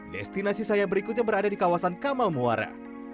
destinasi saya berikutnya berada di kawasan kamal muara